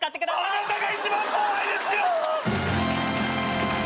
あなたが一番怖いです！